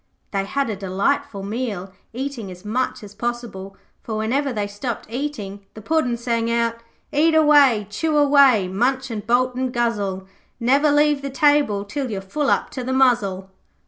They had a delightful meal, eating as much as possible, for whenever they stopped eating the Puddin' sang out 'Eat away, chew away, munch and bolt and guzzle, Never leave the table till you're full up to the muzzle.'